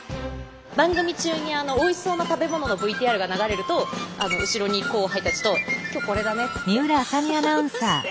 番組中にあのおいしそうな食べ物のＶＴＲが流れると後ろに後輩たちと「今日これだね」って話して。